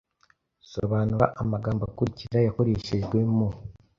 Sobanura amagambo akurikira yakoreshejwe mu